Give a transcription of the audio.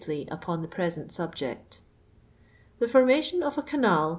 *Iy upon the piesent subject. '• The formation of a cnial.